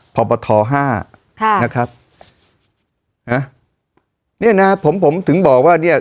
พอปธห้าค่ะนะครับนี่นะผมผมถึงบอกว่าเนี้ย